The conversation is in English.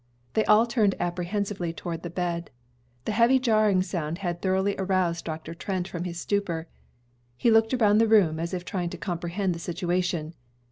They all turned apprehensively toward the bed. The heavy jarring sound had thoroughly aroused Dr. Trent from his stupor. He looked around the room as if trying to comprehend the situation.